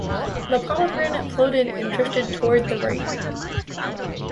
The pomegranate floated and drifted towards the right.